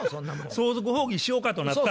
相続放棄しようかとなった。